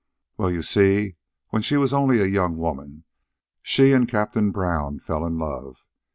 "Well, you see, when she was only a young woman she and Captain Brown fell in love.